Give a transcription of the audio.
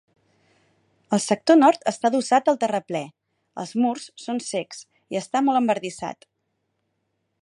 El sector nord està adossat al terraplè, els murs són cecs i està molt embardissat.